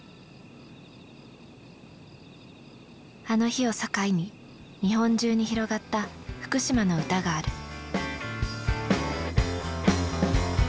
あの日を境に日本中に広がった福島の歌がある。